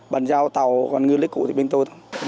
bàn giao tàu còn ngư lưới cụ thì bên tôi thôi